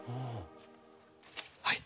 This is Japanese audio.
はい。